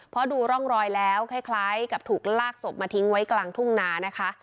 เพราะดูร่องรอยแล้วคล้ายกับถูกลากศพมาทิ้งไว้กลางทุ่งนานะคะ